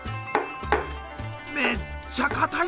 めっちゃかたいのよ。